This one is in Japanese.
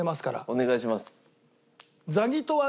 お願いします。